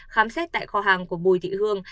khám xét tại kho hàng của bùi thị hương